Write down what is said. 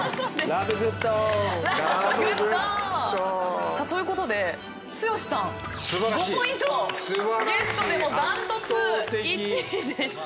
ラブグッド！ということで剛さん５ポイントゲットで断トツ１位でした。